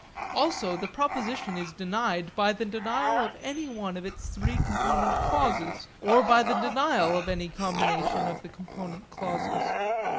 Also the proposition is denied by the denial of any one of its three component clauses or by the denial of any combination of the component clauses.